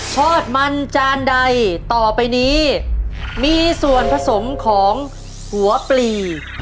ทอดมันจานใดต่อไปนี้มีส่วนผสมของหัวปลี